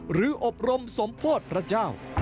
อบรมสมโพธิพระเจ้า